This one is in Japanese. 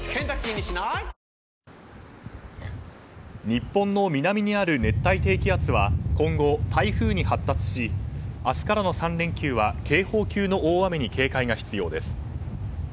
日本の南にある熱帯低気圧は今後、台風に発達し明日からの３連休は警報級の大雨に警戒が必要です。